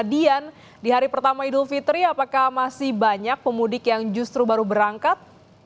dian di hari pertama idul fitri apakah masih banyak pemudik yang justru baru berangkat